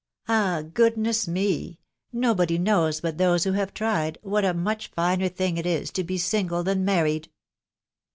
.... Ah, goodness me ! nobody knows but those who have tried, what a much finer thing it is to be single than married